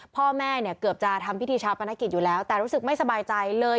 พ่อแม่เนี่ยเกือบจะทำพิธีชาปนกิจอยู่แล้วแต่รู้สึกไม่สบายใจเลย